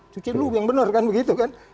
cuci lu yang bener kan begitu kan